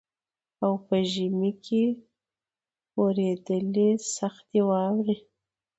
او په ژمي اورېدلې سختي واوري